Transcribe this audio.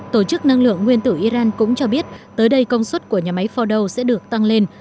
tổ chức năng lượng nguyên tử iran cũng cho biết tới đây công suất của nhà máy fordow sẽ được tăng lên